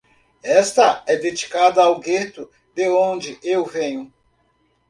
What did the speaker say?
Esta é dedicada ao gueto de onde eu venho.